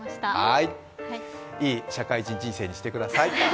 いい社会人人生にしてください。